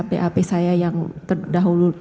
pap saya yang terdahulu